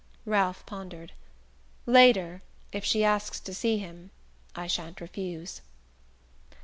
Ralph pondered. "Later if she asks to see him I shan't refuse."